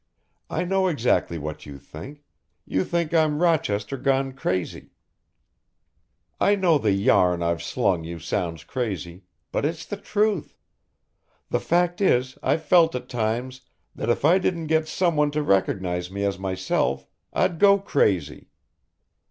I know exactly what you think, you think I'm Rochester gone crazy. I know the yarn I've slung you sounds crazy, but it's the truth. The fact is I've felt at times that if I didn't get someone to recognize me as myself I'd go crazy.